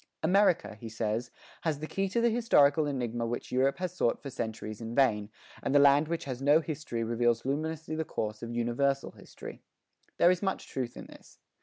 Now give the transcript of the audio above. "America," he says, "has the key to the historical enigma which Europe has sought for centuries in vain, and the land which has no history reveals luminously the course of universal history." There is much truth in this.